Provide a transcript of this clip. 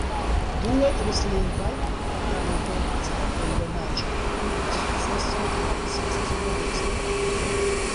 Due, ruslingvaj, katalogecaj eldonaĵoj pri la sukcesoj en la disvastigo de Esperanto.